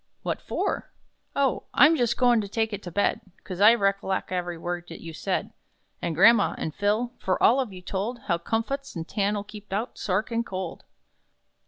"What for?" "Oh, I'm jus' goin' to take it to bed, 'Cos, I recollec' every word that you said, And gramma, and Phil; for all of you told How 'comfuts,' and 'tan'll' keep out SA ARCHINKOLD!"